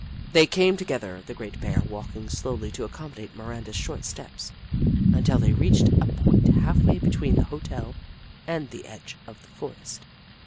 They came together, the great Bear walking slowly to accommodate Miranda's short steps, until they reached a point half way between the hotel and the edge of the forest.